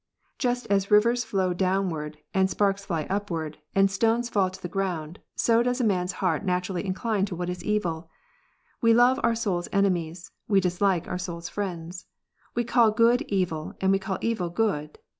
Just as rivers flow downward, $ and sparks fly upward, and stones fall to the ground, so does a ^ man s heart naturally incline to what is evil. We love our soul s enemies, we dislike our soul s friends. We call good evil, and we call evil good.